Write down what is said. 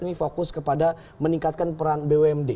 ini fokus kepada meningkatkan peran bumd